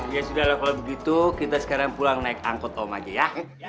ya sudah lah kalau begitu kita sekarang pulang naik angkot om aja ya